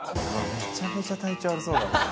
めちゃめちゃ体調悪そうだもん。